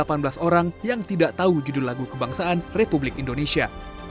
dari seratus orang indonesia terdapat delapan belas orang yang tidak tahu judul lagu kebangsaan republik indonesia